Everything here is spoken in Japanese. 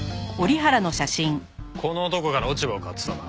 この男から落ち葉を買ってたな？